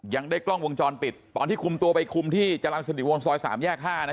ยังได้กล้องวงจรปิดตอนที่คุมตัวไปคุมที่จรรย์สนิทวงศ์ซอย๓แยก๕นะ